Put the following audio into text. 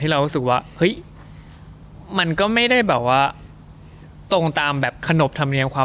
เรารู้สึกว่าเฮ้ยมันก็ไม่ได้แบบว่าตรงตามแบบขนบธรรมเนียมความ